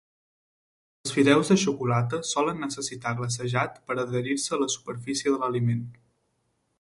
Els fideus de xocolata solen necessitar glacejat per a adherir-se a la superfície de l'aliment.